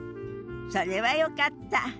それはよかった。